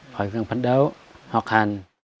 phải cố gắng phấn đấu học hành